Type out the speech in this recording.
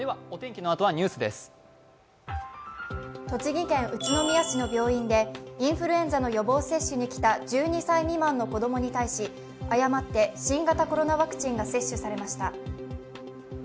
栃木県宇都宮市の病院でインフルエンザの予防接種に来た１２歳未満の子供に対し、誤って新型コロナウイルスワクチンが接種されました。